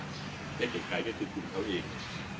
ก็แค่เจ็ดกายคือถุ่มเขาเอง